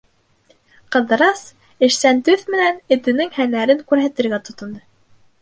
Ҡыҙырас эшсән төҫ менән этенең һәнәрен күрһәтергә тотондо.